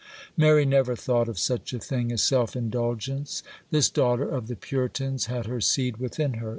Mary never thought of such a thing as self indulgence;—this daughter of the Puritans had her seed within her.